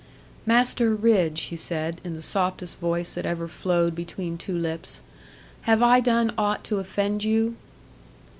'Master Ridd,' she said in the softest voice that ever flowed between two lips, 'have I done aught to offend you?'